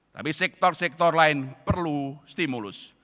tapi sektor sektor lain perlu stimulus